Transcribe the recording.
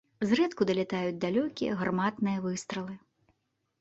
Зрэдку далятаюць далёкія гарматныя выстралы.